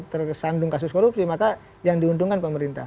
tersandung kasus korupsi maka yang diuntungkan pemerintah